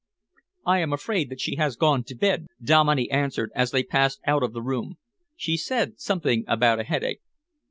"I am afraid that she has gone to bed," Dominey answered, as they passed out of the room. "She said something about a headache."